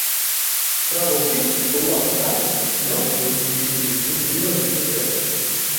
Справа ў тым, што, уласна кажучы, мёртвую туды-сюды нікуды вазіць не трэба.